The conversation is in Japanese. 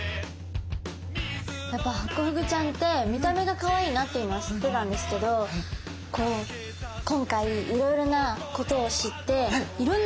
やっぱハコフグちゃんって見た目がかわいいなっていうのは知ってたんですけど今回いろいろなことを知っていろんな不思議もあったし